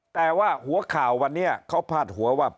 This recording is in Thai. แต่ว่าหัวข่าววันนี้เขาพาดหัวว่า